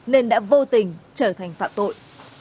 nên đã vô tình trở thành phạm tội